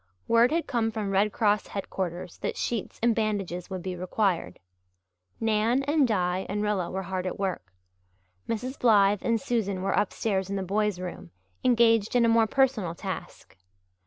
Word had come from Red Cross headquarters that sheets and bandages would be required. Nan and Di and Rilla were hard at work. Mrs. Blythe and Susan were upstairs in the boys' room, engaged in a more personal task.